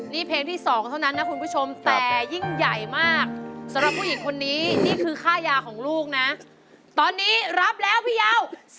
นี่เพลงที่๒เท่านั้นนะคุณผู้ชมแต่ยิ่งใหญ่มากสำหรับผู้หญิงคนนี้นี่คือค่ายาของลูกนะตอนนี้รับแล้วพี่ยาว